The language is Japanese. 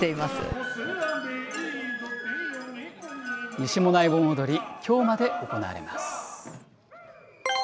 西馬音内盆踊り、きょうまで行われます。